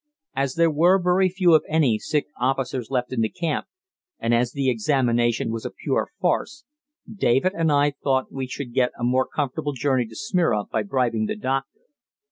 As there were very few, if any, sick officers left in the camp, and as the examination was a pure farce, David and I thought we should get a more comfortable journey to Smyrna by bribing the doctor.